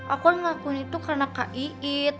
aku ngelakuin itu karena kak iit